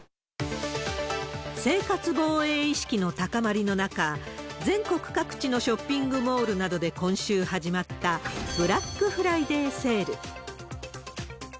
生活防衛意識の高まりの中、全国各地のショッピングモールなどで、今週始まったブラックフライデーセール。